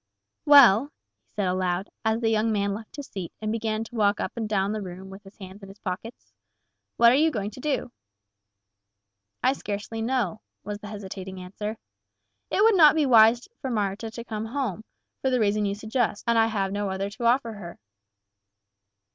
"Well," he said aloud, as the young man left his seat and began to walk up and down the room with his hands in his pockets, "what are you going to do?" "I scarcely know," was the hesitating answer. "It would not be wise to send for Marta to come home, for the reason you suggest, and I have no other to offer her."